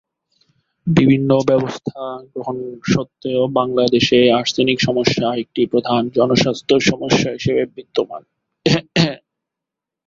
বিভিন্ন ব্যবস্থা গ্রহণ সত্ত্বেও বাংলাদেশে আর্সেনিক সমস্যা একটি প্রধান জনস্বাস্থ্য সমস্যা হিসেবে বিদ্যমান।